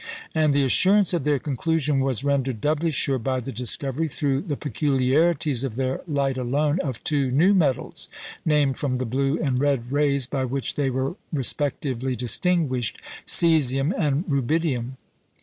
And the assurance of their conclusion was rendered doubly sure by the discovery, through the peculiarities of their light alone, of two new metals, named from the blue and red rays by which they were respectively distinguished, "cæsium," and "rubidium."